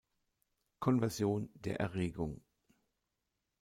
Konversion der Erregung.